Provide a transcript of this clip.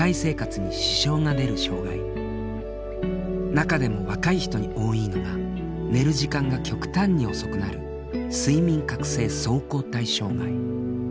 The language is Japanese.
中でも若い人に多いのが寝る時間が極端に遅くなる「睡眠・覚醒相後退障害」。